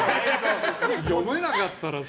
読めなかったらさ。